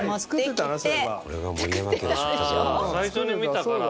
最初に見たから。